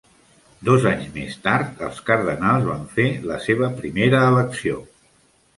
Dos anys més tard, els cardenals van fer la seva primera elecció.